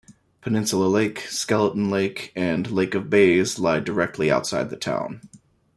Peninsula Lake, Skeleton Lake, and Lake of Bays lie directly outside the town.